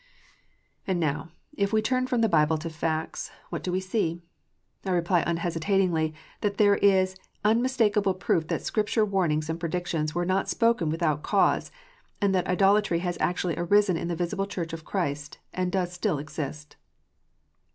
And now, if we turn from the Bible to facts, what do we see 1 I reply unhesitatingly, that there is unmistakable proof that Scripture warnings and predictions were not spoken with out cause, and that idolatry has actually arisen in the visible Church of Christ, and does still exist.